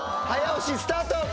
早押しスタート！